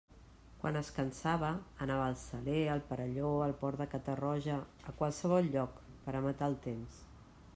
Quan es cansava, anava al Saler, al Perelló, al port de Catarroja, a qualsevol lloc, per a matar el temps.